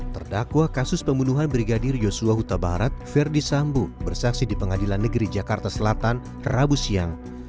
terdakwa kasus pembunuhan brigadir yosua huta barat verdi sambo bersaksi di pengadilan negeri jakarta selatan rabu siang